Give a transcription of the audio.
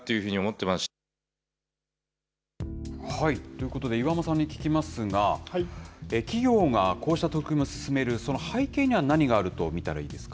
ということで岩間さんに聞きますが、企業がこうした取り組みを進める、その背景には何があると見たらい